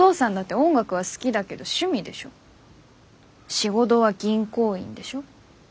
仕事は銀行員でしょ？